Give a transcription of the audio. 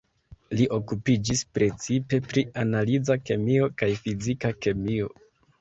Li okupiĝis precipe pri analiza kemio kaj fizika kemio.